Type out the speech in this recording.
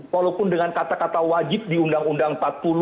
walaupun dengan kata kata wajib di undang undang empat puluh